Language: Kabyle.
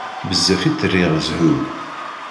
Bezzaf i tt-rriɣ zzhu.